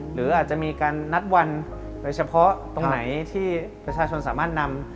หรืออาจจะมีการนัดวันโดยเฉพาะตรงไหนที่ประชาชนสามารถนำ